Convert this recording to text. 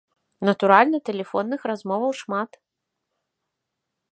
Натуральна, тэлефонных размоваў шмат.